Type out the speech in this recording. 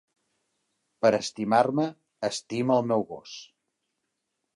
Per estimar-me, estima el meu gos